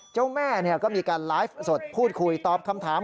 เจ้าแม่ก็มีการไลฟ์สดพูดคุยตอบคำถาม